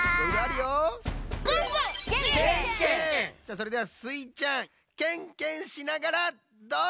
それではスイちゃんケンケンしながらどうぞ！